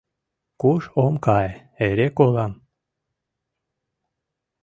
Куш ом кае, эре колам.